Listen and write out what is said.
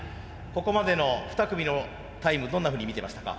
ここまでのふた組のタイムどんなふうに見ていましたか？